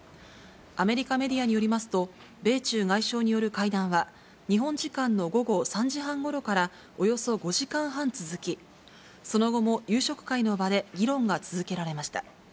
アメリカメディアによりますと、米中外相による会談は、日本時間の午後３時半ごろからおよそ５時間半続き、その後も夕食会の場で議論が続けられました。